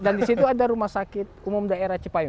dan disitu ada rumah sakit umum daerah cipayu